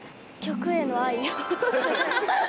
曲への愛？